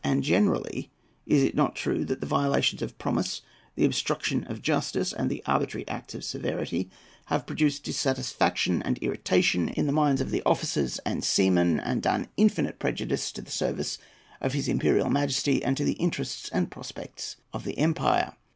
And generally, is it not true that the violations of promise, the obstructions of justice, and the arbitrary acts of severity, have produced dissatisfaction and irritation in the minds of the officers and seamen, and done infinite prejudice to the service of his Imperial Majesty and to the interests and prospects of the empire?